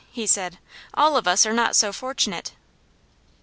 he said. "All of us are not so fortunate."